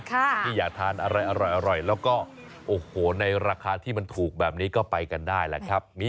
ใช่ที่อยากทานอะไรอร่อยและก็ในราคาที่ถูกแบบนี้ก็ไปกันได้นะครับ